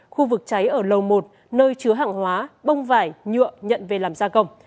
khu vực cháy ở lầu một nơi chứa hạng hóa bông vải nhựa nhận về làm ra gồng